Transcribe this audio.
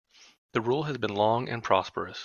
The rule has been long and prosperous.